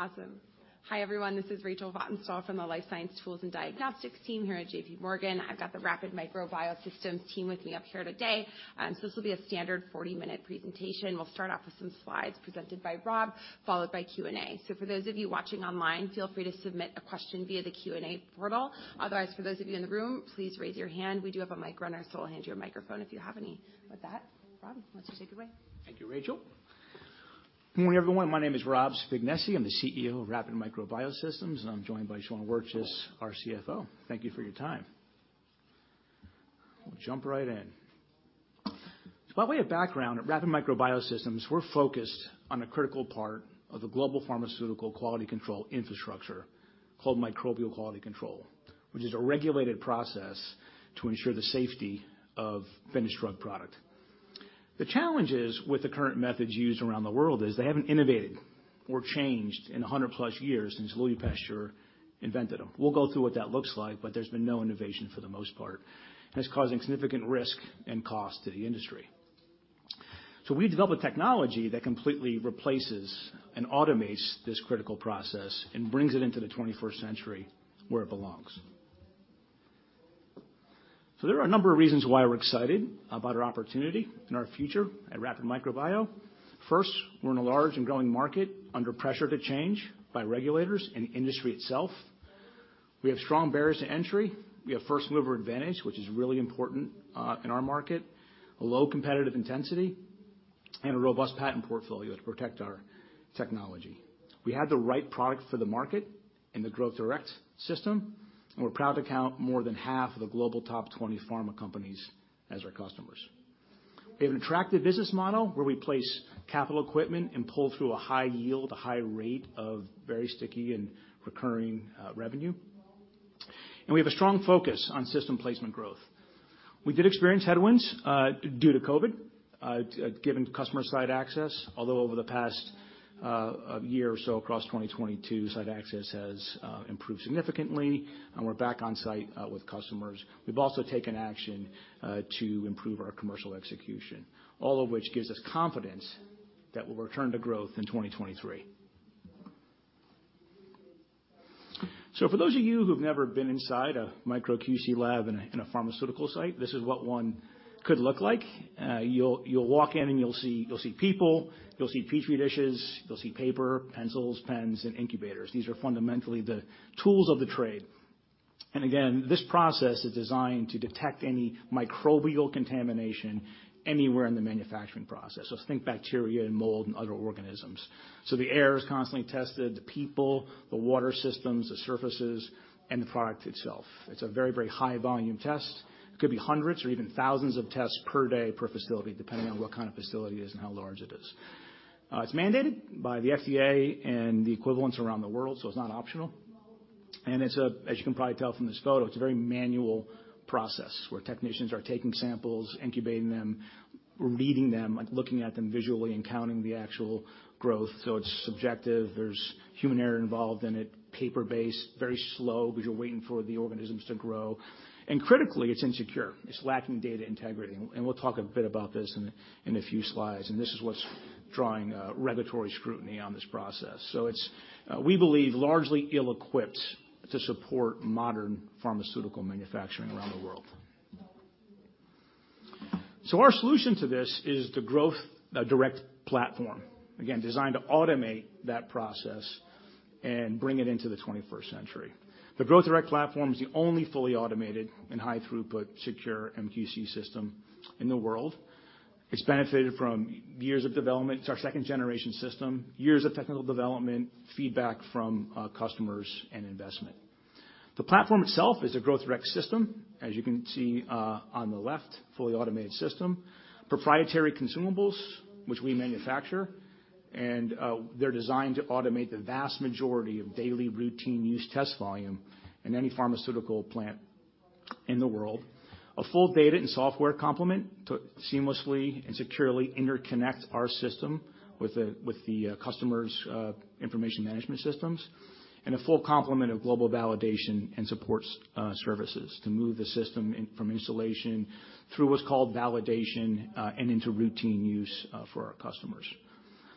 Awesome. Hi, everyone. This is Rachel Vatnsdal from the Life Science Tools and Diagnostics team here at JPMorgan. I've got the Rapid Micro Biosystems team with me up here today. This will be a standard 40-minute presentation. We'll start off with some slides presented by Rob, followed by Q&A. For those of you watching online, feel free to submit a question via the Q&A portal. Otherwise, for those of you in the room, please raise your hand. We do have a mic runner, we'll hand you a microphone if you have any. With that, Rob, why don't you take it away? Thank you, Rachel. Morning, everyone. My name is Rob Spignesi. I'm the CEO of Rapid Micro Biosystems, and I'm joined by Sean Wirtjes, our CFO. Thank you for your time. We'll jump right in. By way of background, at Rapid Micro Biosystems, we're focused on a critical part of the global pharmaceutical quality control infrastructure called microbial quality control, which is a regulated process to ensure the safety of finished drug product. The challenges with the current methods used around the world is they haven't innovated or changed in 100+ years since Louis Pasteur invented them. We'll go through what that looks like, but there's been no innovation for the most part. It's causing significant risk and cost to the industry. We developed technology that completely replaces and automates this critical process and brings it into the 21st century where it belongs. There are a number of reasons why we're excited about our opportunity and our future at Rapid Micro Biosystems. First, we're in a large and growing market, under pressure to change by regulators and industry itself. We have strong barriers to entry. We have first mover advantage, which is really important in our market, a low competitive intensity, and a robust patent portfolio to protect our technology. We have the right product for the market and the Growth Direct system, and we're proud to count more than half of the global top 20 pharma companies as our customers. We have an attractive business model where we place capital equipment and pull through a high yield, a high rate of very sticky and recurring revenue. We have a strong focus on system placement growth. We did experience headwinds due to COVID given customer site access. Although over the past year or so across 2022, site access has improved significantly, and we're back on site with customers. We've also taken action to improve our commercial execution, all of which gives us confidence that we'll return to growth in 2023. For those of you who've never been inside a Micro QC lab in a pharmaceutical site, this is what one could look like. You'll walk in, and you'll see people, you'll see petri dishes, you'll see paper, pencils, pens, and incubators. These are fundamentally the tools of the trade. Again, this process is designed to detect any microbial contamination anywhere in the manufacturing process. Think bacteria and mold and other organisms. The air is constantly tested, the people, the water systems, the surfaces, and the product itself. It's a very, very high volume test. It could be hundreds or even thousands of tests per day per facility, depending on what kind of facility it is and how large it is. It's mandated by the FDA and the equivalents around the world, so it's not optional. As you can probably tell from this photo, it's a very manual process where technicians are taking samples, incubating them, reading them, like, looking at them visually and counting the actual growth. It's subjective. There's human error involved in it, paper-based, very slow because you're waiting for the organisms to grow. Critically, it's insecure. It's lacking data integrity. We'll talk a bit about this in a few slides. This is what's drawing regulatory scrutiny on this process. It's, we believe largely ill-equipped to support modern pharmaceutical manufacturing around the world. Our solution to this is the Growth Direct platform, again, designed to automate that process and bring it into the 21st century. The Growth Direct platform is the only fully automated and high throughput secure MQC system in the world. It's benefited from years of development. It's our second generation system, years of technical development, feedback from customers and investment. The platform itself is a Growth Direct system, as you can see, on the left, fully automated system. Proprietary consumables, which we manufacture, and they're designed to automate the vast majority of daily routine use test volume in any pharmaceutical plant in the world. A full data and software complement to seamlessly and securely interconnect our system with the customer's information management systems, and a full complement of global validation and support services to move the system from installation through what's called validation and into routine use for our customers.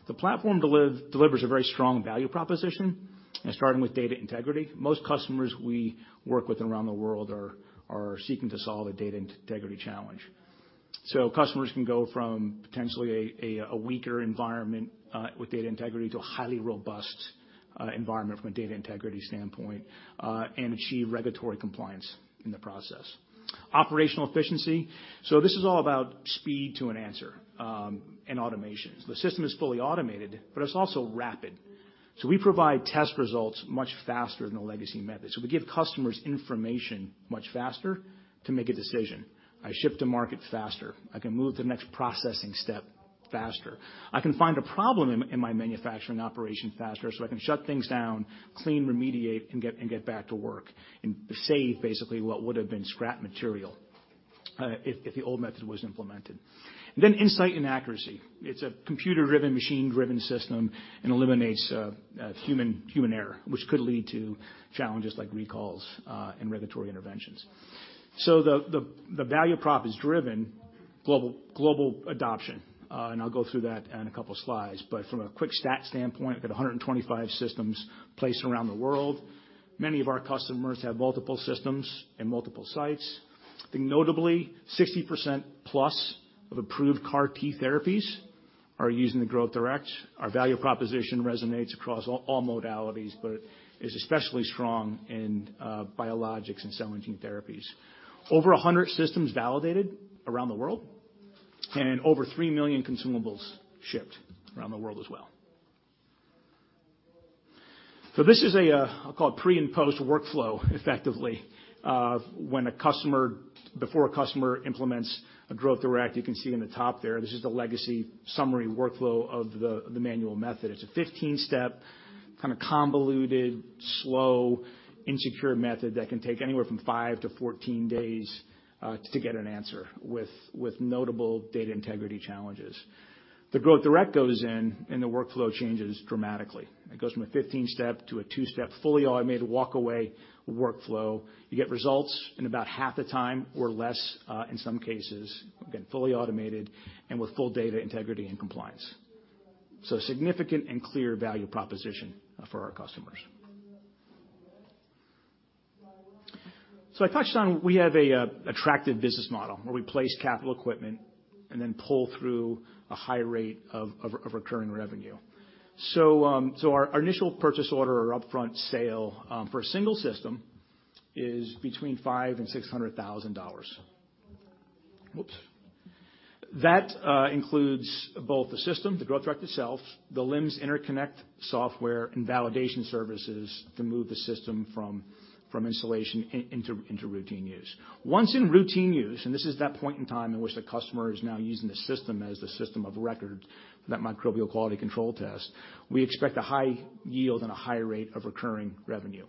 The platform delivers a very strong value proposition, and starting with data integrity. Most customers we work with around the world are seeking to solve a data integrity challenge. Customers can go from potentially a weaker environment with data integrity to a highly robust environment from a data integrity standpoint and achieve regulatory compliance in the process. Operational efficiency. This is all about speed to an answer and automation. The system is fully automated, but it's also rapid. We provide test results much faster than the legacy method. We give customers information much faster to make a decision. I ship to market faster. I can move the next processing step faster. I can find a problem in my manufacturing operation faster, so I can shut things down, clean, remediate, and get back to work and save basically what would have been scrap material if the old method was implemented. Insight and accuracy. It's a computer-driven, machine-driven system and eliminates human error, which could lead to challenges like recalls and regulatory interventions. The value prop is driven-Global adoption. And I'll go through that in a couple slides. From a quick stat standpoint, we've got 125 systems placed around the world. Many of our customers have multiple systems and multiple sites. I think notably, 60%+ of approved CAR T therapies are using the Growth Direct. Our value proposition resonates across all modalities, but it's especially strong in biologics and cell and gene therapies. Over 100 systems validated around the world, and over three million consumables shipped around the world as well. This is a, I'll call it pre and post-workflow, effectively. Before a customer implements a Growth Direct, you can see in the top there, this is the legacy summary workflow of the manual method. It's a 15-step, kind of convoluted, slow, insecure method that can take anywhere from five-14 days to get an answer with notable data integrity challenges. The Growth Direct goes in, the workflow changes dramatically. It goes from a 15-step to a two-step, fully automated walk away workflow. You get results in about half the time or less, in some cases, again, fully automated and with full data integrity and compliance. Significant and clear value proposition for our customers. I touched on, we have a attractive business model where we place capital equipment and then pull through a high rate of recurring revenue. Our initial purchase order or upfront sale, for a single system is between $500,000 and $600,000. Whoops. That includes both the system, the Growth Direct itself, the LIMS interconnect software and validation services to move the system from installation into routine use. Once in routine use, this is that point in time in which the customer is now using the system as the system of record for that microbial quality control test, we expect a high yield and a high rate of recurring revenue.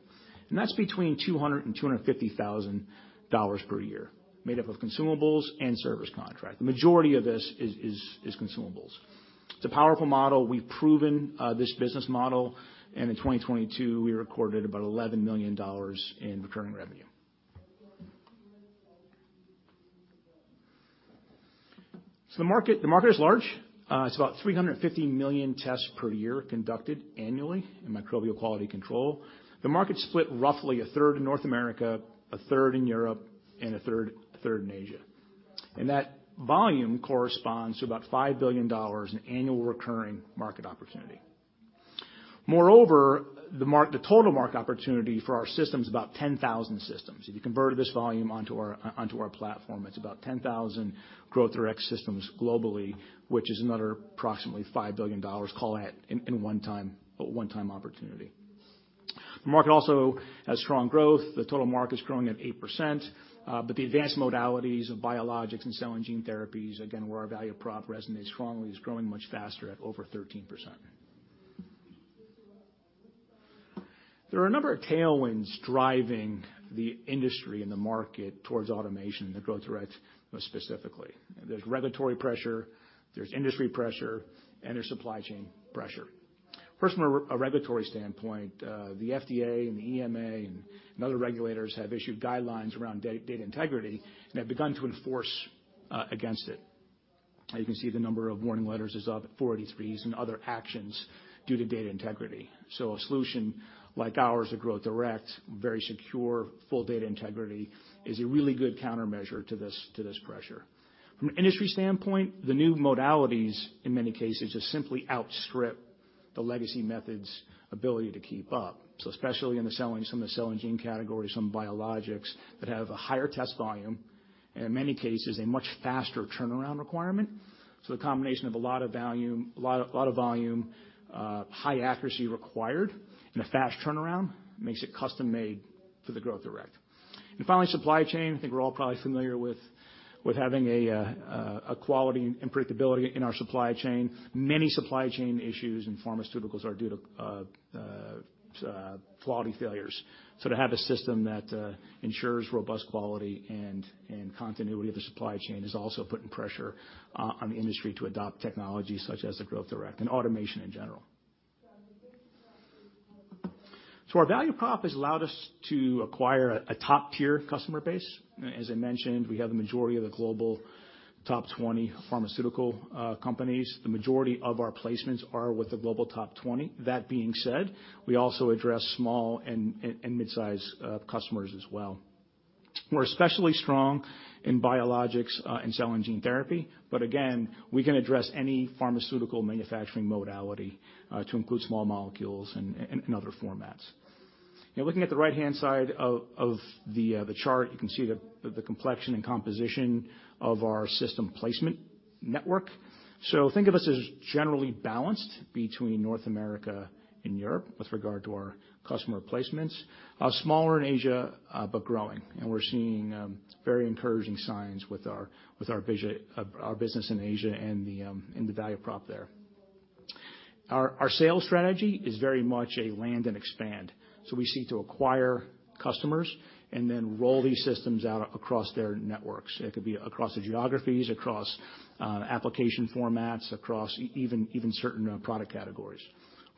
That's between $200,000 to $250,000 per year made up of consumables and service contract. The majority of this is consumables. It's a powerful model. We've proven this business model, and in 2022, we recorded about $11 million in recurring revenue. The market is large. It's about 350 million tests per year conducted annually in microbial quality control. The market's split roughly a third in North America, a third in Europe, and a third in Asia. That volume corresponds to about $5 billion in annual recurring market opportunity. Moreover, the total market opportunity for our system is about 10,000 systems. If you converted this volume onto our platform, it's about 10,000 Growth Direct systems globally, which is another approximately $5 billion call it in one time, a one-time opportunity. The market also has strong growth. The total market's growing at 8%, but the advanced modalities of biologics and cell and gene therapies, again, where our value prop resonates strongly, is growing much faster at over 13%. There are a number of tailwinds driving the industry and the market towards automation, the Growth Direct most specifically. There's regulatory pressure, there's industry pressure, and there's supply chain pressure. First, from a regulatory standpoint, the FDA and the EMA and other regulators have issued guidelines around data integrity and have begun to enforce against it. You can see the number of warning letters is up, 483s and other actions due to data integrity. A solution like ours, the Growth Direct, very secure, full data integrity, is a really good countermeasure to this pressure. From an industry standpoint, the new modalities, in many cases, just simply outstrip the legacy method's ability to keep up. Especially in some of the cell and gene categories, some biologics that have a higher test volume, and in many cases, a much faster turnaround requirement. The combination of a lot of volume, high accuracy required, and a fast turnaround makes it custom-made for the Growth Direct. Finally, supply chain. I think we're all probably familiar with having a quality and predictability in our supply chain. Many supply chain issues in pharmaceuticals are due to quality failures. To have a system that ensures robust quality and continuity of the supply chain is also putting pressure on the industry to adopt technology such as the Growth Direct and automation in general. Our value prop has allowed us to acquire a top-tier customer base. As I mentioned, we have the majority of the global top 20 pharmaceutical companies. The majority of our placements are with the global top 20. That being said, we also address small and mid-size customers as well. We're especially strong in biologics and cell and gene therapy, but again, we can address any pharmaceutical manufacturing modality to include small molecules and other formats. Looking at the right-hand side of the chart, you can see the complexion and composition of our system placement network. Think of us as generally balanced between North America and Europe with regard to our customer placements. Smaller in Asia, but growing. We're seeing very encouraging signs with our business in Asia and the value prop there. Our sales strategy is very much a land and expand. We seek to acquire customers and then roll these systems out across their networks. It could be across the geographies, across application formats, even certain product categories.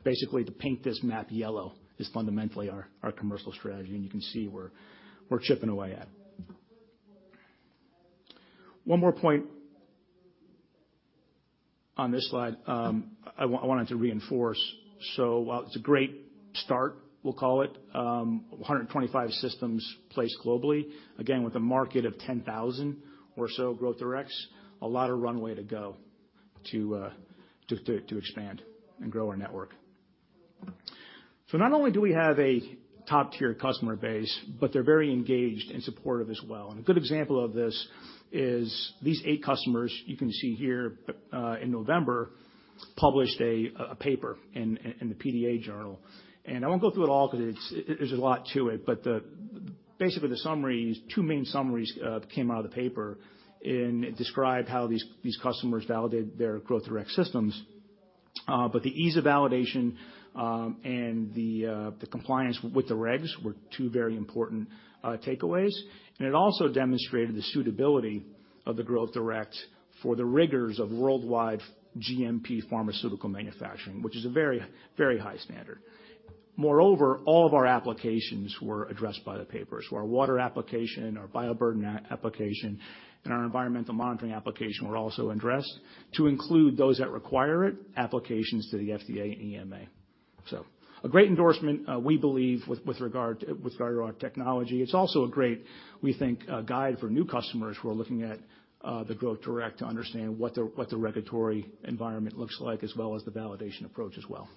Basically, to paint this map yellow is fundamentally our commercial strategy, and you can see we're chipping away at it. One more point on this slide, I wanted to reinforce. While it's a great start, we'll call it, 125 systems placed globally, again, with a market of 10,000 or so Growth Directs, a lot of runway to go to expand and grow our network. Not only do we have a top-tier customer base, but they're very engaged and supportive as well. A good example of this is these eight customers you can see here, in November, published a paper in the PDA Journal. I won't go through it all because there's a lot to it, but the, basically, the summaries, two main summaries, came out of the paper and describe how these customers validated their Growth Direct systems. But the ease of validation, and the compliance with the regs were two very important takeaways. It also demonstrated the suitability of the Growth Direct for the rigors of worldwide GMP pharmaceutical manufacturing, which is a very, very high standard. Moreover, all of our applications were addressed by the papers. Our water application, our bioburden application, and our environmental monitoring application were also addressed to include those that require it, applications to the FDA and EMA. A great endorsement, we believe with regard to our technology. It's also a great, we think, guide for new customers who are looking at the Growth Direct to understand what the regulatory environment looks like as well as the validation approach as well.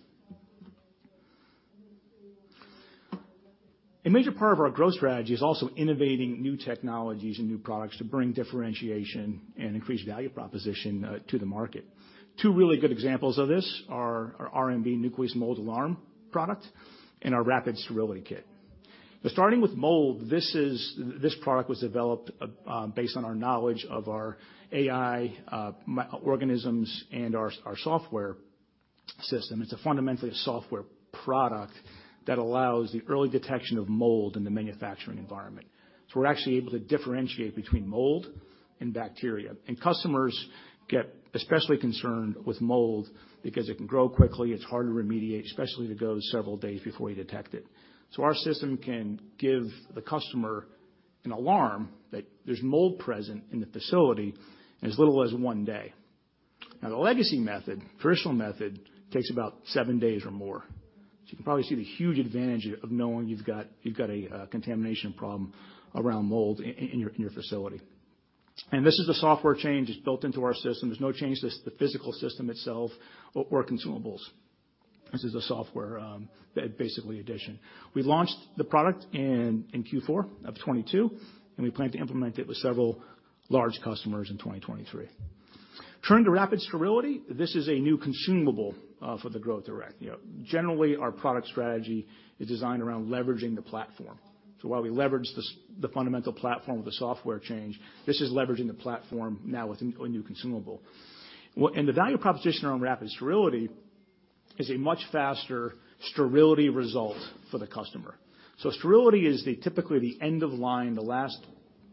A major part of our growth strategy is also innovating new technologies and new products to bring differentiation and increase value proposition to the market. Two really good examples of this are our RMB Nucleus Mold Alarm product and our Rapid Sterility Kit. Starting with mold, this product was developed based on our knowledge of our AI organisms and our software system. It's fundamentally a software product that allows the early detection of mold in the manufacturing environment. We're actually able to differentiate between mold and bacteria. Customers get especially concerned with mold because it can grow quickly, it's hard to remediate, especially if it goes several days before you detect it. Our system can give the customer an alarm that there's mold present in the facility in as little as one day. The legacy method, traditional method, takes about seven days or more. You can probably see the huge advantage of knowing you've got a contamination problem around mold in your facility. This is a software change that's built into our system. There's no change to the physical system itself or consumables. This is a software basically addition. We launched the product in Q4 of 2022, and we plan to implement it with several large customers in 2023. Turning to Rapid Sterility, this is a new consumable for the Growth Direct. You know, generally, our product strategy is designed around leveraging the platform. So while we leverage the fundamental platform with the software change, this is leveraging the platform now with a new consumable. And the value proposition around Rapid Sterility is a much faster sterility result for the customer. Sterility is typically the end of line, the last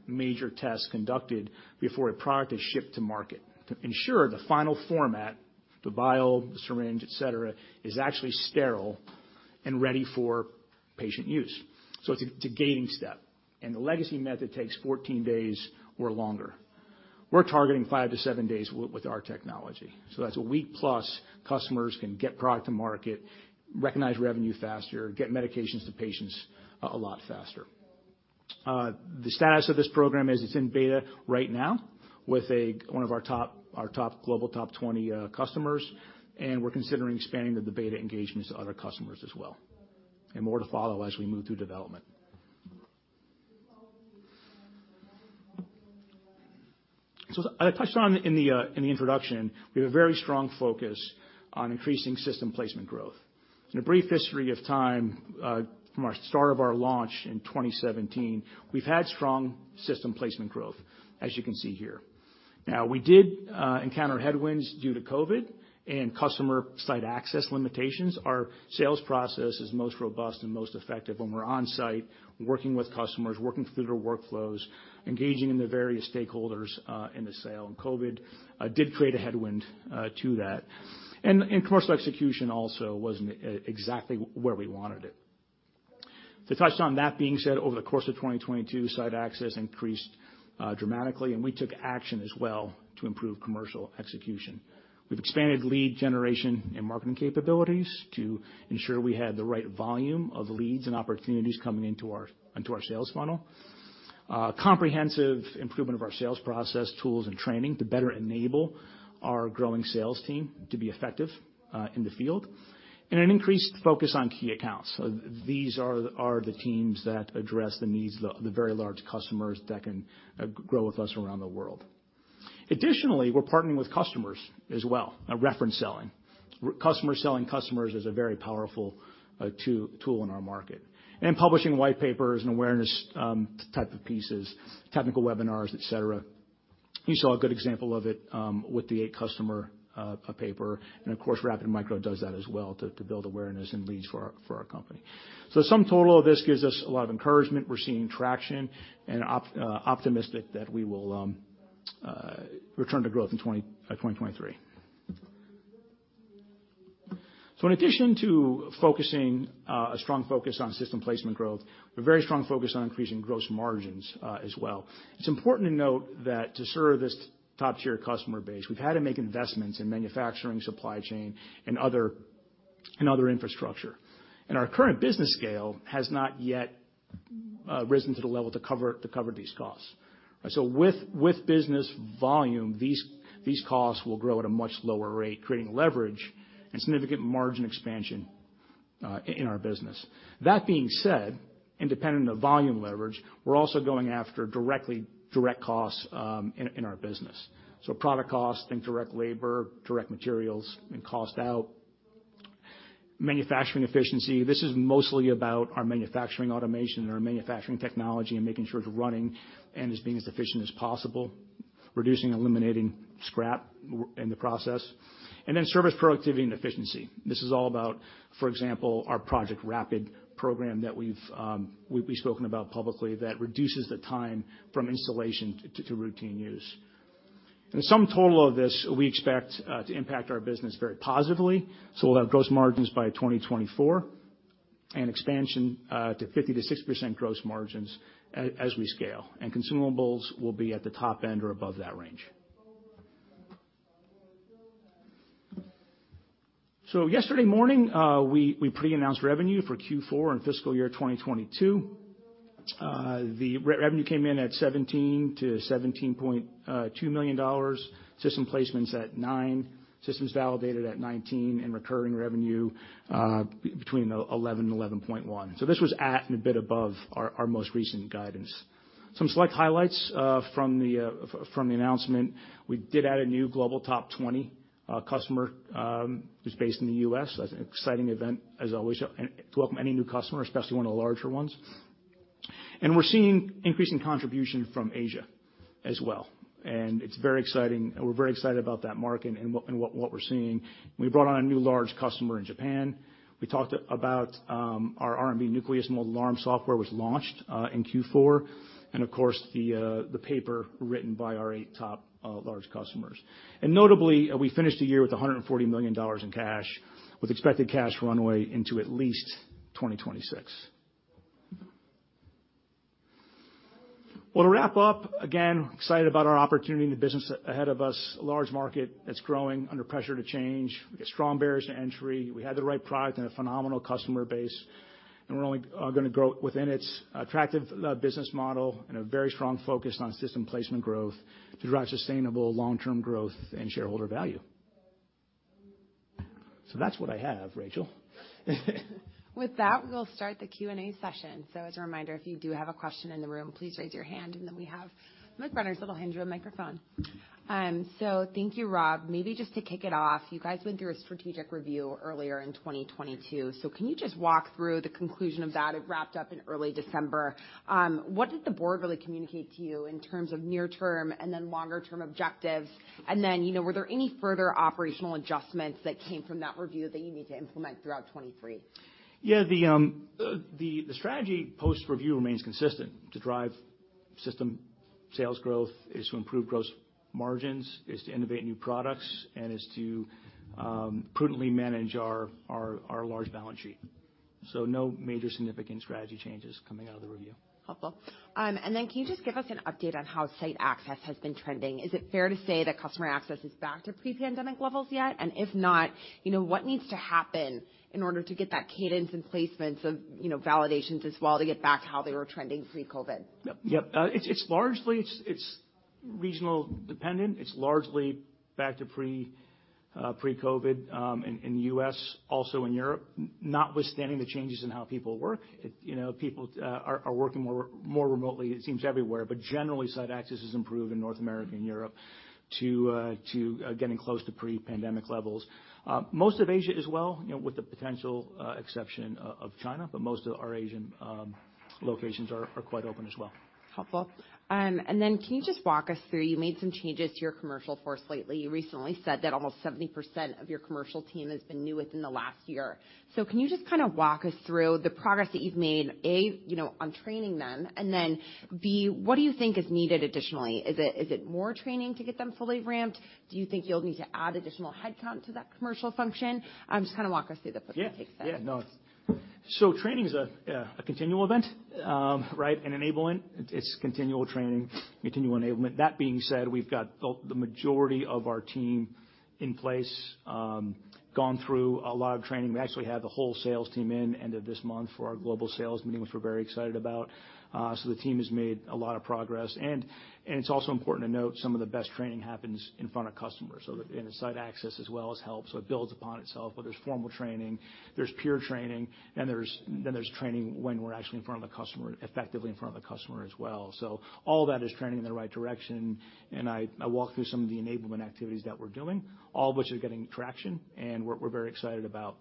major test conducted before a product is shipped to market to ensure the final format, the vial, the syringe, et cetera, is actually sterile and ready for patient use. It's a, it's a gating step, and the legacy method takes 14 days or longer. We're targeting five-seven days with our technology, so that's one week plus customers can get product to market, recognize revenue faster, get medications to patients a lot faster. The status of this program is it's in beta right now with a, one of our top, global top 20 customers. We're considering expanding the beta engagements to other customers as well. More to follow as we move through development. As I touched on in the introduction, we have a very strong focus on increasing system placement growth. In a brief history of time, from our start of our launch in 2017, we've had strong system placement growth, as you can see here. Now, we did encounter headwinds due to COVID and customer site access limitations. Our sales process is most robust and most effective when we're on site working with customers, working through their workflows, engaging in the various stakeholders in the sale. COVID did create a headwind to that. Commercial execution also wasn't exactly where we wanted it. To touch on that being said, over the course of 2022, site access increased dramatically, and we took action as well to improve commercial execution. We've expanded lead generation and marketing capabilities to ensure we had the right volume of leads and opportunities coming into our sales funnel. Comprehensive improvement of our sales process, tools, and training to better enable our growing sales team to be effective in the field. An increased focus on key accounts. These are the teams that address the needs of the very large customers that can grow with us around the world. Additionally, we're partnering with customers as well, a reference selling. Customer selling customers is a very powerful tool in our market. Publishing white papers and awareness, type of pieces, technical webinars, et cetera. You saw a good example of it, with the eight customer paper. Of course, Rapid Micro does that as well to build awareness and leads for our company. Sum total of this gives us a lot of encouragement. We're seeing traction and optimistic that we will return to growth in 2023. In addition to focusing, a strong focus on system placement growth, a very strong focus on increasing gross margins as well. It's important to note that to serve this top-tier customer base, we've had to make investments in manufacturing, supply chain, and other infrastructure. Our current business scale has not yet risen to the level to cover these costs. With business volume, these costs will grow at a much lower rate, creating leverage and significant margin expansion in our business. That being said, independent of volume leverage, we're also going after directly direct costs in our business. Product cost and direct labor, direct materials and cost out. Manufacturing efficiency. This is mostly about our manufacturing automation and our manufacturing technology and making sure it's running and is being as efficient as possible, reducing eliminating scrap in the process, and then service productivity and efficiency. This is all about, for example, our Project RAPID program that we've spoken about publicly that reduces the time from installation to routine use. In sum total of this, we expect to impact our business very positively. We'll have gross margins by 2024 and expansion to 50% to 60% gross margins as we scale, and consumables will be at the top end or above that range. Yesterday morning, we pre-announced revenue for Q4 and fiscal year 2022. The revenue came in at $17 million to $17.2 million. System placements at nine, systems validated at 19, and recurring revenue between $11 million and $11.1 million. This was at and a bit above our most recent guidance. Some select highlights from the announcement, we did add a new global top 20 customer who's based in the U.S. That's an exciting event, as always, and to welcome any new customer, especially one of the larger ones. We're seeing increasing contribution from Asia as well, and it's very exciting. We're very excited about that market and what we're seeing. We brought on a new large customer in Japan. We talked about our RMB Nucleus Mold Alarm software was launched in Q4, and of course, the paper written by our eight top large customers. Notably, we finished the year with $140 million in cash, with expected cash runway into at least 2026. To wrap up, again, excited about our opportunity in the business ahead of us. A large market that's growing under pressure to change. We've got strong barriers to entry. We have the right product and a phenomenal customer base, and we're only gonna grow within its attractive business model and a very strong focus on system placement growth to drive sustainable long-term growth and shareholder value. That's what I have, Rachel. With that, we'll start the Q&A session. As a reminder, if you do have a question in the room, please raise your hand, and then we have Mike Runners that'll hand you a microphone. Thank you, Rob. Maybe just to kick it off, you guys went through a strategic review earlier in 2022. Can you just walk through the conclusion of that? It wrapped up in early December. What did the board really communicate to you in terms of near term and then longer term objectives? You know, were there any further operational adjustments that came from that review that you need to implement throughout 23? Yeah. The strategy post-review remains consistent. To drive system sales growth, is to improve gross margins, is to innovate new products, and is to prudently manage our large balance sheet. No major significant strategy changes coming out of the review. Helpful. Then can you just give us an update on how site access has been trending? Is it fair to say that customer access is back to pre-pandemic levels yet? If not, you know, what needs to happen in order to get that cadence and placements of, you know, validations as well to get back how they were trending pre-COVID? Yep. Yep. It's largely regional dependent. It's largely back to pre-COVID in the U.S., also in Europe, notwithstanding the changes in how people work. You know, people are working more remotely, it seems, everywhere. Generally, site access has improved in North America and Europe to getting close to pre-pandemic levels. Most of Asia as well, you know, with the potential exception of China, but most of our Asian locations are quite open as well. Helpful. Can you just walk us through, you made some changes to your commercial force lately. You recently said that almost 70% of your commercial team has been new within the last year. Can you just kinda walk us through the progress that you've made, A, you know, on training them, and then, B, what do you think is needed additionally? Is it more training to get them fully ramped? Do you think you'll need to add additional headcount to that commercial function? Just kinda walk us through the put and take steps. Training is a continual event, right, and enabling. It's continual training, continual enablement. That being said, we've got the majority of our team in place, gone through a lot of training. We actually have the whole sales team in end of this month for our global sales meeting, which we're very excited about. The team has made a lot of progress. It's also important to note, some of the best training happens in front of customers. The site access as well as help, it builds upon itself. There's formal training, there's peer training, there's training when we're actually in front of a customer, effectively in front of a customer as well. All that is training in the right direction, and I walked through some of the enablement activities that we're doing, all of which is getting traction and we're very excited about.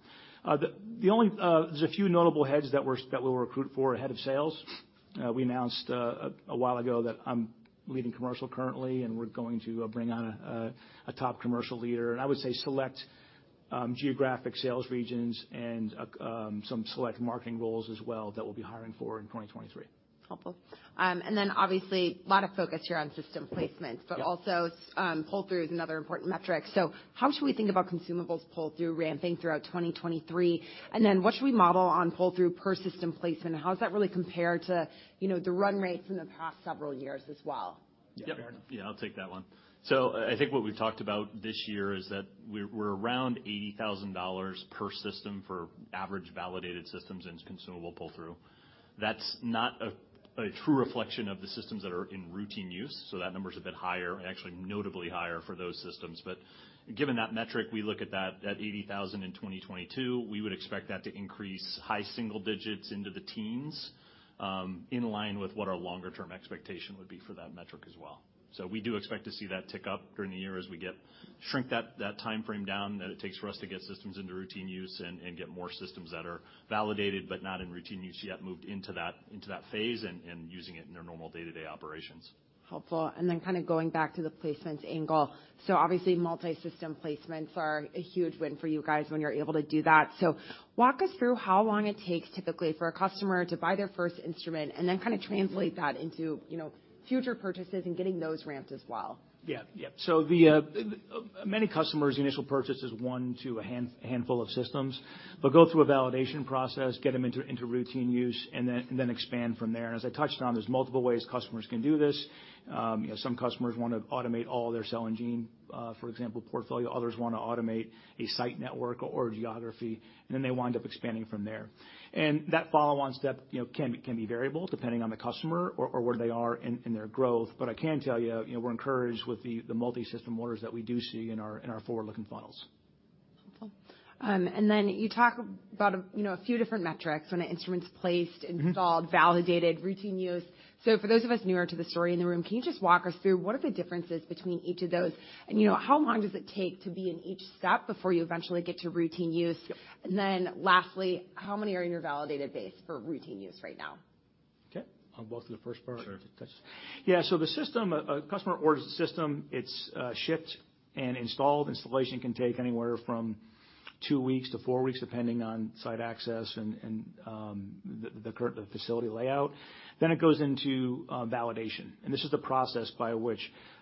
The only, there's a few notable heads that we'll recruit for, head of sales. We announced a while ago that I'm leading commercial currently, and we're going to bring on a top commercial leader, and I would say select geographic sales regions and some select marketing roles as well that we'll be hiring for in 2023. Helpful. Obviously a lot of focus here on system placements. Yeah. Also, pull-through is another important metric. How should we think about consumables pull-through ramping throughout 2023? What should we model on pull-through per system placement, and how does that really compare to, you know, the run rates in the past several years as well? Yeah. Yep. Yeah, I'll take that one. I think what we've talked about this year is that we're around $80,000 per system for average validated systems in consumable pull-through. That's not a true reflection of the systems that are in routine use, so that number's a bit higher, actually notably higher for those systems. Given that metric, we look at that $80,000 in 2022, we would expect that to increase high single digits into the teens, in line with what our longer term expectation would be for that metric as well. We do expect to see that tick up during the year as we get. Shrink that timeframe down that it takes for us to get systems into routine use and get more systems that are validated but not in routine use yet moved into that phase and using it in their normal day-to-day operations. Helpful. Then kind of going back to the placements angle. Obviously multi-system placements are a huge win for you guys when you're able to do that. Walk us through how long it takes typically for a customer to buy their first instrument, and then kind of translate that into, you know, future purchases and getting those ramped as well? Yeah. Yeah. The many customers' initial purchase is one to a handful of systems. They'll go through a validation process, get them into routine use and then expand from there. As I touched on, there's multiple ways customers can do this. You know, some customers want to automate all their cell and gene, for example, portfolio. Others wanna automate a site network or a geography, and then they wind up expanding from there. That follow-on step, you know, can be variable depending on the customer or where they are in their growth. I can tell you know, we're encouraged with the multi-system orders that we do see in our forward-looking funnels. Helpful. Then you talk about, you know, a few different metrics when an instrument's placed. Mm-hmm. installed, validated, routine use. For those of us newer to the story in the room, can you just walk us through what are the differences between each of those? You know, how long does it take to be in each step before you eventually get to routine use? Yep. Lastly, how many are in your validated base for routine use right now? Okay. On both of the first part- Sure. A customer orders the system, it's shipped and installed. Installation can take anywhere from two weeks to four weeks, depending on site access and the facility layout. It goes into validation, and this is the process by which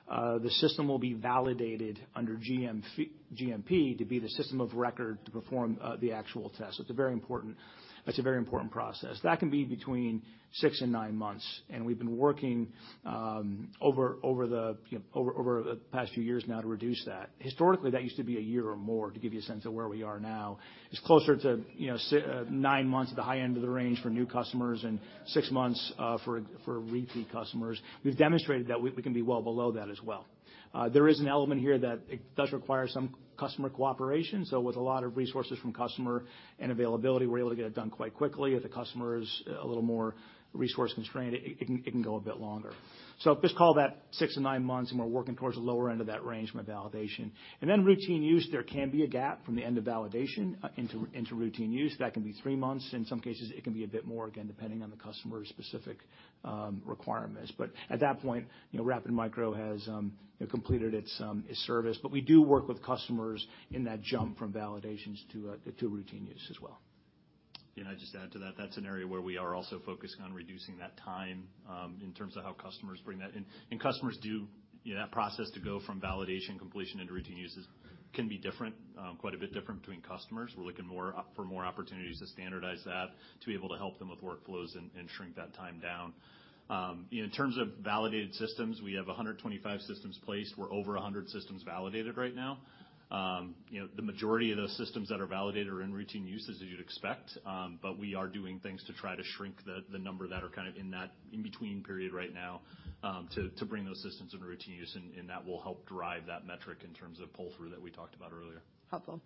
the system will be validated under GMP to be the system of record to perform the actual test. It's a very important process. That can be between six and nine months, and we've been working, you know, over the past few years now to reduce that. Historically, that used to be a year or more, to give you a sense of where we are now. It's closer to, you know, nine months at the high end of the range for new customers and six months for repeat customers. We've demonstrated that we can be well below that as well. There is an element here that it does require some customer cooperation, so with a lot of resources from customer and availability, we're able to get it done quite quickly. If the customer is a little more resource constrained, it can go a bit longer. Just call that six-nine months, and we're working towards the lower end of that range from a validation. Routine use, there can be a gap from the end of validation into routine use. That can be three months. In some cases, it can be a bit more, again, depending on the customer's specific requirements. At that point, you know, Rapid Micro has, you know, completed its service. We do work with customers in that jump from validations to routine use as well. Yeah. I'd just add to that's an area where we are also focused on reducing that time in terms of how customers bring that in. You know, that process to go from validation completion into routine uses can be different, quite a bit different between customers. We're looking more for more opportunities to standardize that, to be able to help them with workflows and shrink that time down. In terms of validated systems, we have 125 systems placed. We're over 100 systems validated right now. you know, the majority of those systems that are validated are in routine uses as you'd expect, but we are doing things to try to shrink the number that are kind of in that in-between period right now, to bring those systems into routine use, and that will help drive that metric in terms of pull-through that we talked about earlier. Helpful.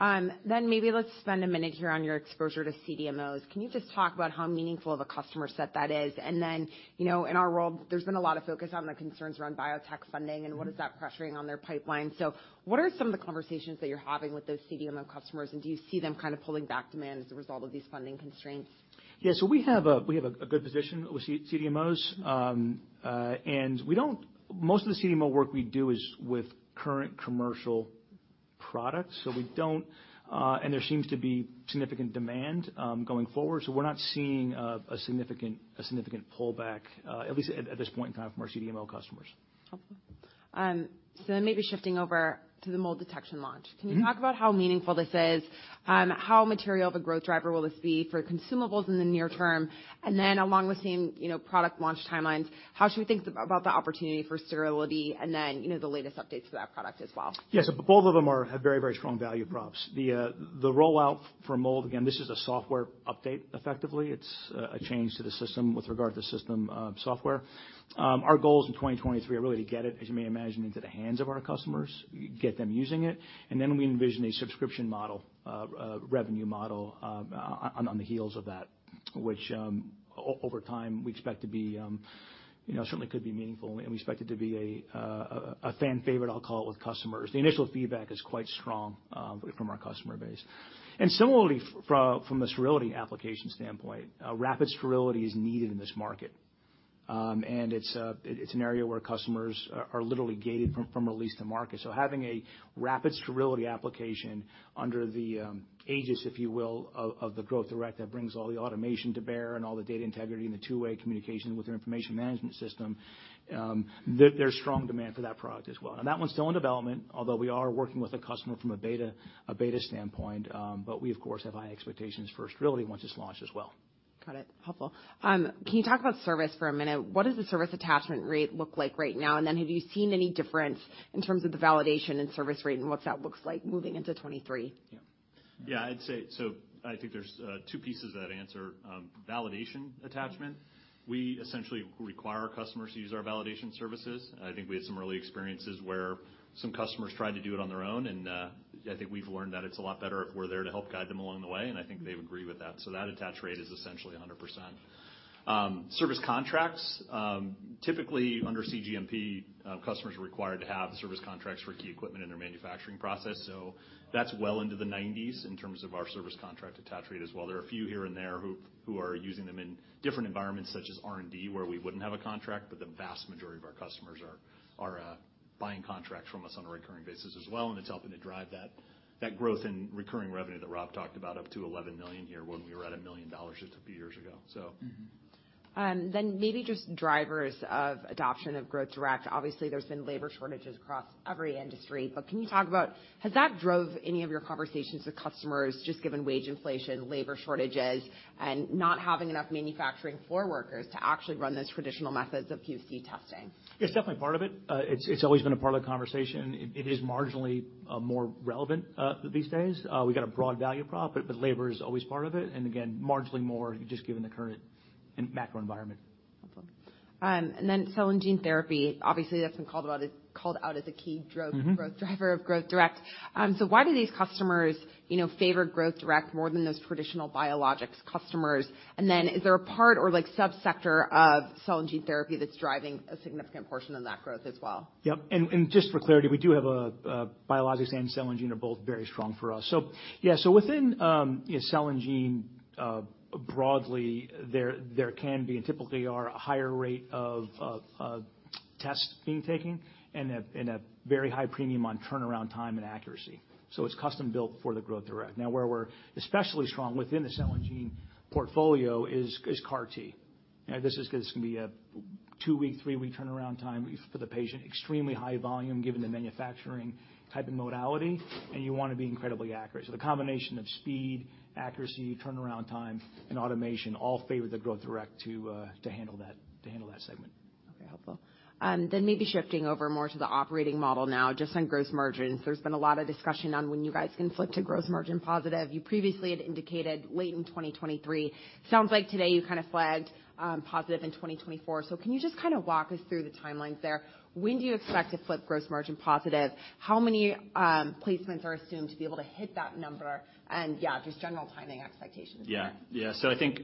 Maybe let's spend a minute here on your exposure to CDMOs. Can you just talk about how meaningful of a customer set that is? You know, in our world, there's been a lot of focus on the concerns around biotech funding... Mm-hmm. What is that pressuring on their pipeline. What are some of the conversations that you're having with those CDMO customers, and do you see them kind of pulling back demand as a result of these funding constraints? Yeah. We have a good position with CDMOs. Most of the CDMO work we do is with current commercial products, so we don't. There seems to be significant demand going forward, so we're not seeing a significant pullback at least at this point in time from our CDMO customers. Helpful. Maybe shifting over to the mold detection launch. Mm-hmm. Can you talk about how meaningful this is? How material of a growth driver will this be for consumables in the near term? Along the same, you know, product launch timelines, how should we think about the opportunity for Sterility and then, you know, the latest updates to that product as well? Yes. Both of them have very strong value props. The, the rollout for mold, again, this is a software update, effectively. It's a change to the system with regard to system software. Our goals in 2023 are really to get it, as you may imagine, into the hands of our customers, get them using it, and then we envision a subscription model, revenue model, on the heels of that, which over time, we expect to be, You know, certainly could be meaningful, and we expect it to be a fan favorite, I'll call it, with customers. The initial feedback is quite strong from our customer base. Similarly, from the sterility application standpoint, Rapid Sterility is needed in this market. It's an area where customers are literally gated from release to market. Having a Rapid Sterility application under the ages, if you will, of the Growth Direct that brings all the automation to bear and all the data integrity and the two-way communication with your information management system, there's strong demand for that product as well. That one's still in development, although we are working with a customer from a beta standpoint. We of course, have high expectations for sterility once it's launched as well. Got it. Helpful. Can you talk about service for a minute? What does the service attachment rate look like right now? Have you seen any difference in terms of the validation and service rate and what that looks like moving into 2023? Yeah. I'd say so I think there's two pieces to that answer. Validation attachment. Mm-hmm. We essentially require our customers to use our validation services. I think we had some early experiences where some customers tried to do it on their own, and I think we've learned that it's a lot better if we're there to help guide them along the way, and I think they've agreed with that. That attach rate is essentially 100%. Service contracts, typically under cGMP, customers are required to have service contracts for key equipment in their manufacturing process. That's well into the 90s in terms of our service contract attach rate as well. There are a few here and there who are using them in different environments such as R&D, where we wouldn't have a contract, but the vast majority of our customers are buying contracts from us on a recurring basis as well. It's helping to drive that growth in recurring revenue that Rob talked about up to $11 million a year when we were at $1 million just a few years ago. Mm-hmm. Maybe just drivers of adoption of Growth Direct. Obviously, there's been labor shortages across every industry, but can you talk about has that drove any of your conversations with customers just given wage inflation, labor shortages, and not having enough manufacturing floor workers to actually run those traditional methods of QC testing? It's definitely part of it. It's always been a part of the conversation. It is marginally more relevant these days. We've got a broad value prop, but labor is always part of it, and again, marginally more just given the current macro environment. Wonderful. cell and gene therapy, obviously, that's been called out as a key. Mm-hmm. -growth, driver of Growth Direct. Why do these customers, you know, favor Growth Direct more than those traditional biologics customers? Is there a part or, like, subsector of cell and gene therapy that's driving a significant portion of that growth as well? Yep. Just for clarity, we do have biologics and cell and gene are both very strong for us. Yeah. Within cell and gene, broadly there can be, and typically are, a higher rate of tests being taken and a very high premium on turnaround time and accuracy. It's custom built for the Growth Direct. Now, where we're especially strong within the cell and gene portfolio is CAR T. You know, this is 'cause it's gonna be a two-week, three-week turnaround time for the patient, extremely high volume given the manufacturing type of modality, and you wanna be incredibly accurate. The combination of speed, accuracy, turnaround time, and automation all favor the Growth Direct to handle that, to handle that segment. Helpful. Maybe shifting over more to the operating model now, just on gross margins. There's been a lot of discussion on when you guys can flip to gross margin positive. You previously had indicated late in 2023. Sounds like today you kind of flagged positive in 2024. Can you just kind of walk us through the timelines there? When do you expect to flip gross margin positive? How many placements are assumed to be able to hit that number? Yeah, just general timing expectations there. Yeah. Yeah. I think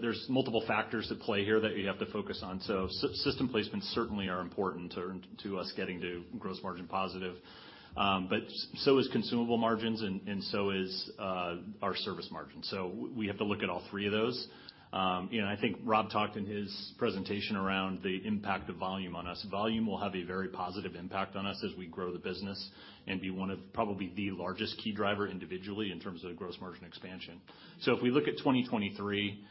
there's multiple factors at play here that you have to focus on. System placements certainly are important to us getting to gross margin positive. So is consumable margins and so is our service margin. We have to look at all three of those. You know, I think Rob talked in his presentation around the impact of volume on us. Volume will have a very positive impact on us as we grow the business and be one of probably the largest key driver individually in terms of gross margin expansion. If we look at 2023,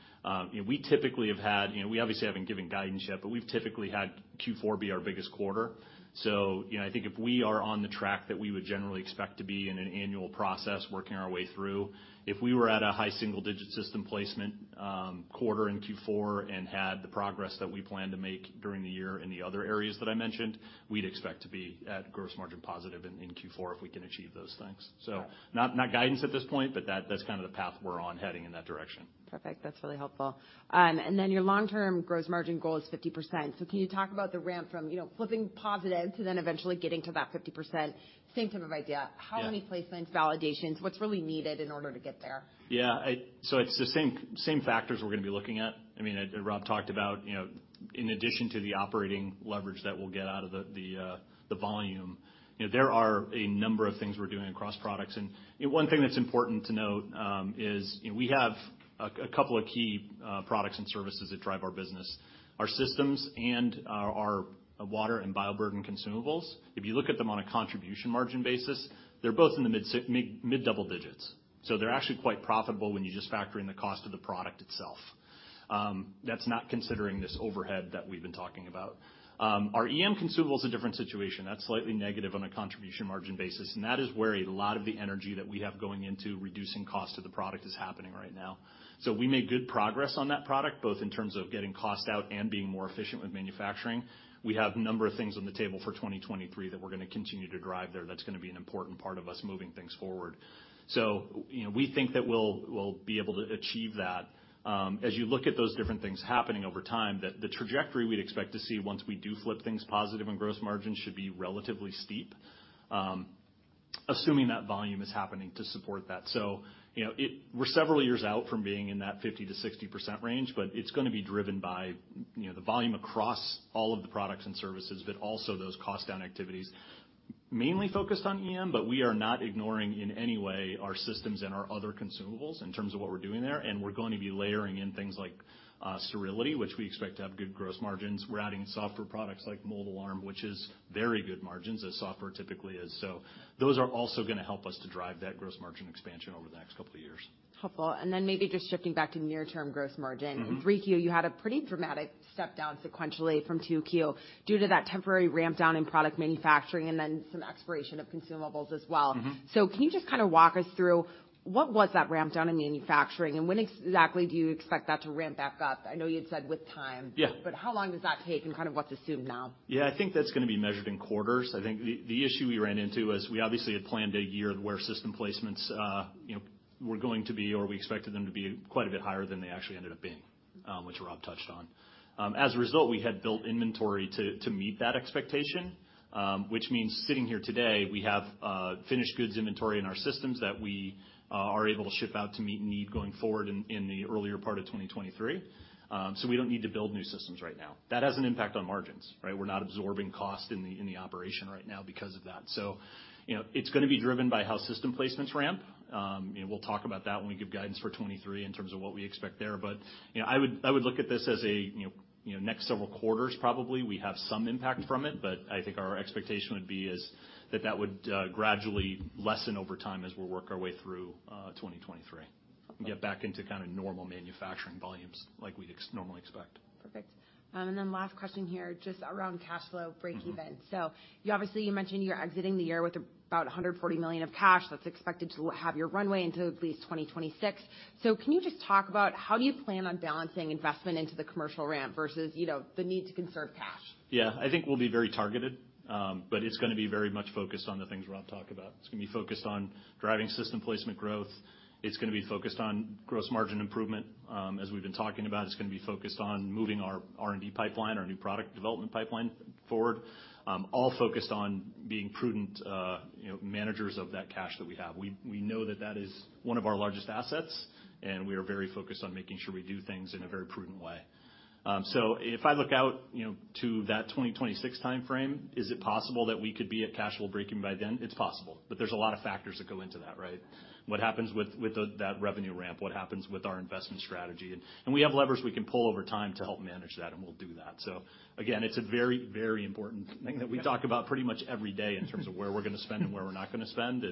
you know, we obviously haven't given guidance yet, but we've typically had Q4 be our biggest quarter. You know, I think if we are on the track that we would generally expect to be in an annual process working our way through, if we were at a high single-digit system placement, quarter in Q4 and had the progress that we plan to make during the year in the other areas that I mentioned, we'd expect to be at gross margin positive in Q4 if we can achieve those things. Not guidance at this point, but that's kind of the path we're on heading in that direction. Perfect. That's really helpful. Your long-term gross margin goal is 50%. Can you talk about the ramp from, you know, flipping positive to then eventually getting to that 50%? Same type of idea. Yeah. How many placements, validations, what's really needed in order to get there? Yeah. It's the same factors we're gonna be looking at. I mean, Rob talked about, you know, in addition to the operating leverage that we'll get out of the volume, you know, there are a number of things we're doing across products. One thing that's important to note is we have a couple of key products and services that drive our business, our systems and our water and bioburden consumables. If you look at them on a contribution margin basis, they're both in the mid double digits. They're actually quite profitable when you just factor in the cost of the product itself. That's not considering this overhead that we've been talking about. Our EM consumable is a different situation. That's slightly negative on a contribution margin basis, that is where a lot of the energy that we have going into reducing cost of the product is happening right now. We made good progress on that product, both in terms of getting cost out and being more efficient with manufacturing. We have a number of things on the table for 2023 that we're gonna continue to drive there that's gonna be an important part of us moving things forward. You know, we think that we'll be able to achieve that. Assuming that volume is happening to support that. You know, we're several years out from being in that 50% to 60% range, but it's gonna be driven by, you know, the volume across all of the products and services, but also those cost down activities mainly focused on EM, but we are not ignoring in any way our systems and our other consumables in terms of what we're doing there. We're going to be layering in things like sterility, which we expect to have good gross margins. We're adding software products like MoldAlarm, which is very good margins as software typically is. Those are also gonna help us to drive that gross margin expansion over the next couple of years. Helpful. Maybe just shifting back to near term gross margin. Mm-hmm. Q3, you had a pretty dramatic step down sequentially from Q2 due to that temporary ramp down in product manufacturing and then some expiration of consumables as well. Mm-hmm. Can you just kind of walk us through what was that ramp down in manufacturing and when exactly do you expect that to ramp back up? I know you had said with time. Yeah. How long does that take and kind of what's assumed now? Yeah, I think that's going to be measured in quarters. I think the issue we ran into is we obviously had planned a year where system placements, you know, were going to be or we expected them to be quite a bit higher than they actually ended up being, which Rob touched on. As a result, we had built inventory to meet that expectation, which means sitting here today, we have finished goods inventory in our systems that we are able to ship out to meet need going forward in the earlier part of 2023. We don't need to build new systems right now. That has an impact on margins, right? We're not absorbing cost in the, in the operation right now because of that. You know, it's going to be driven by how system placements ramp. You know, we'll talk about that when we give guidance for 2023 in terms of what we expect there. You know, I would look at this as a, you know, next several quarters probably, we have some impact from it, but I think our expectation would be is that that would gradually lessen over time as we work our way through 2023. Okay. Get back into kinda normal manufacturing volumes like we'd normally expect. Perfect. Then last question here, just around cash flow breakeven. Mm-hmm. You obviously, you mentioned you're exiting the year with about $140 million of cash that's expected to have your runway into at least 2026. Can you just talk about how do you plan on balancing investment into the commercial ramp versus, you know, the need to conserve cash? I think we'll be very targeted, but it's gonna be very much focused on the things Rob talked about. It's gonna be focused on driving system placement growth. It's gonna be focused on gross margin improvement. As we've been talking about, it's gonna be focused on moving our R&D pipeline, our new product development pipeline forward. All focused on being prudent, you know, managers of that cash that we have. We, we know that that is one of our largest assets, and we are very focused on making sure we do things in a very prudent way. So if I look out, you know, to that 2026 timeframe, is it possible that we could be at cash flow breakeven by then? It's possible, but there's a lot of factors that go into that, right? What happens with the, that revenue ramp? What happens with our investment strategy? We have levers we can pull over time to help manage that, and we'll do that. Again, it's a very, very important thing that we talk about pretty much every day in terms of where we're gonna spend and where we're not gonna spend.